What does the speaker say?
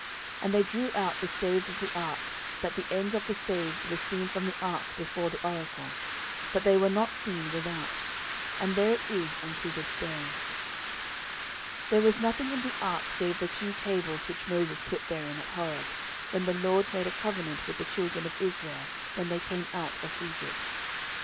14:005:009 And they drew out the staves of the ark, that the ends of the staves were seen from the ark before the oracle; but they were not seen without. And there it is unto this day. 14:005:010 There was nothing in the ark save the two tables which Moses put therein at Horeb, when the LORD made a covenant with the children of Israel, when they came out of Egypt.